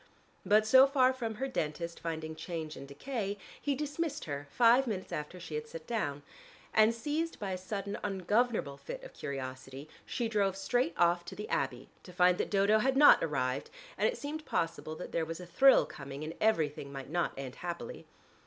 But so far from her dentist finding change and decay, he dismissed her five minutes after she had sat down, and seized by a sudden ungovernable fit of curiosity she drove straight off to the Abbey to find that Dodo had not arrived, and it seemed possible that there was a thrill coming, and everything might not end happily.